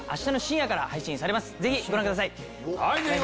ぜひご覧ください。